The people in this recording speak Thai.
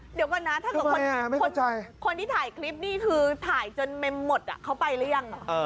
เดี๋ยวก่อนนะคุณที่ถ่ายคลิปนี้ถ่ายจนไม่หมดเขาไปหรือยัง